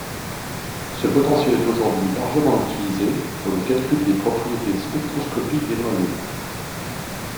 Ce potentiel est aujourd'hui largement utilisé pour le calcul des propriétés spectroscopiques des noyaux.